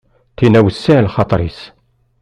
Tinna wessiε lxaṭer-is.